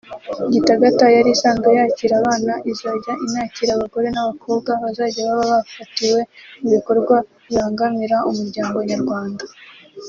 Gitagata yari isanzwe yakira abana izajya inakira abagore n’abakobwa bazajya baba bafatiwe mu bikorwa bibangamira umuryango nyarwanda